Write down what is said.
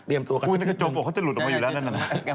อุ๊ยนักข้าจมโปะเขาจะหลุดออกมาอยู่แล้วนั่น